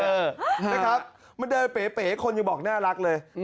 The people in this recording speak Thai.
นะครับมันเดินเป๋คนยังบอกน่ารักเลย